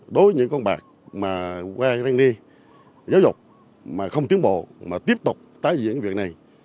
đối với những con bạc mà qua đánh đi giáo dục mà không tiến bộ mà tiếp tục tái diễn việc này